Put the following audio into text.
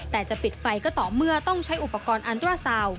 แต่จะปิดไฟก็ต่อเมื่อต้องใช้อุปกรณ์อันตราซาว